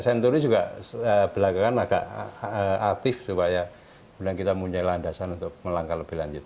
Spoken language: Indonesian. senturi juga belakangan agak aktif supaya kita mempunyai landasan untuk melangkah lebih lanjut